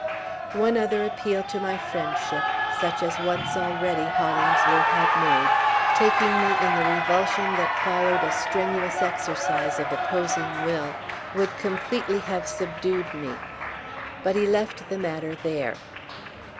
One other appeal to my friendship, such as once, already, Hollingsworth had made, taking me in the revulsion that followed a strenuous exercise of opposing will, would completely have subdued me. But he left the matter there.